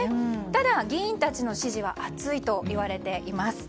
ただ、議員たちの支持は厚いといわれています。